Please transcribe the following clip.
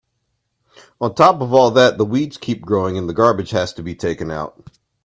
On top of all that, the weeds keep growing and the garbage has to be taken out.